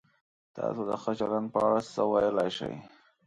تاسو د ښه چلند په اړه څه ویلای شئ؟